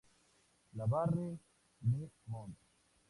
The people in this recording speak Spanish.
La Barre-de-Monts